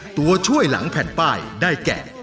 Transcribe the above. ตัวช่วยหลังแผ่นป้ายได้แก่